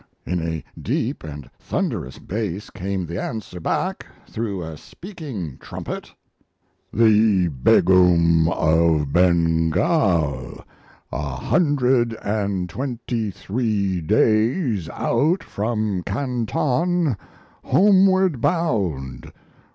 In a deep and thunderous bass came the answer back, through a speaking trumpet: The Begum of Bengal, a hundred and twenty three days out from Canton homeward bound!